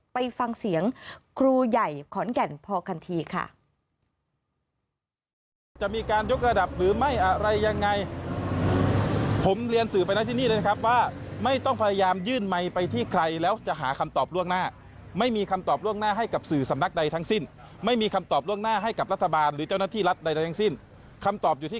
ไปฟังเสียงครูใหญ่ขอนแก่นพอกันทีค่ะ